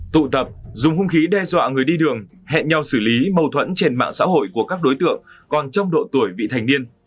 tụ tập dùng hông khí đe dọa người đi đường hẹn nhau xử lý mâu thuẫn trên mạng xã hội của các đối tượng còn trong độ tuổi vị thành niên